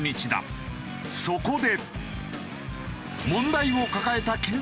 そこで。